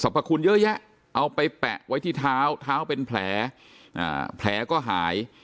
พระคุณเยอะแยะเอาไปแปะไว้ที่เท้าเท้าเป็นแผลแผลก็หาย